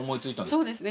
そうですね